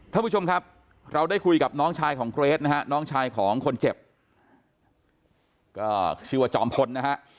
ท่านผู้ชมครับเราได้คุยกับน้องชายของเกรทนะฮะน้องชายของคนเจ็บก็ชื่อว่าจอมพลนะฮะ